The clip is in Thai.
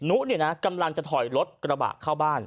นุเนี่ยนะกำลังจะถอยรถกระบะเข้าบ้าน